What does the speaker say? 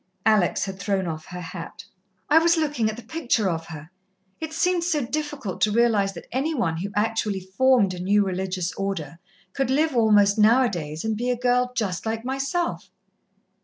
Alex had thrown off her hat. "I was looking at the picture of her. It seemed so difficult to realize that any one who actually formed a new religious Order could live almost now a days and be a girl just like myself."